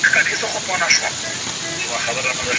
خو عملي بېلګه لیدل تر ټولو غوره درس دی.